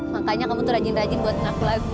makanya kamu tuh rajin rajin buat nangku lagu